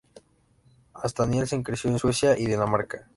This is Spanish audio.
Asta Nielsen creció en Suecia y Dinamarca.